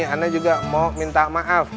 anda juga mau minta maaf